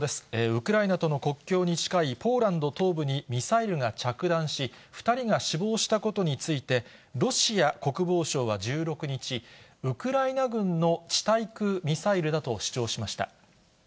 ウクライナとの国境に近いポーランド東部にミサイルが着弾し、２人が死亡したことについて、ロシア国防省は１６日、ウクライナ軍の地対空ミサイルだと主張しました。